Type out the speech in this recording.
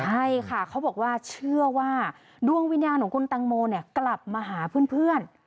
ใช่ค่ะเขาบอกว่าเชื่อว่าดวงวิญญาณของคุณตังโมเนี่ยกลับมาหาเพื่อน